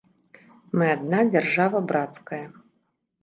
Мы адна дзяржава брацкая.